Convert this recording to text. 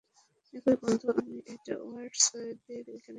একই গন্ধ আমি এডওয়ার্ডস দের ওখানে পেয়েছি।